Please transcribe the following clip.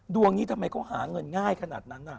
ดวงนี้ทำไมเขาหาเงินง่ายขนาดนั้นน่ะ